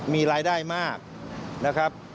มีรายได้มากนะครับ